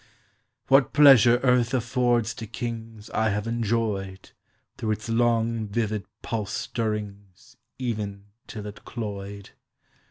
What pleasure earth affords to kings I have enjoyed Through its long vivid pulse stirrings Even till it cloyed.